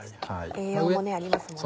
栄養もありますもんね。